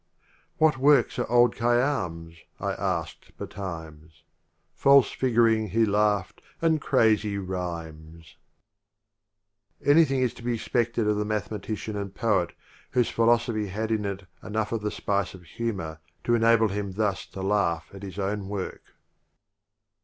"What works are old Khayyam* s? I asked betimes. "False figuring, he laughed, " and crazy rhymes I Anything is to be expetled of the mathe matician and poet whose philosophy had in it enough of the spice of humor to enable him thus to laugh at his own work.